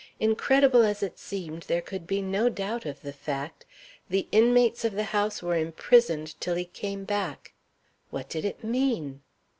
Incredible as it seemed, there could be no doubt of the fact the inmates of the house were imprisoned till he came back. What did it mean?